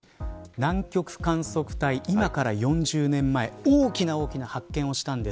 南極観測隊今から４０年前大きな大きな発見をしたんです。